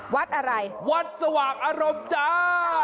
วัดสว่างอารมณ์จ้า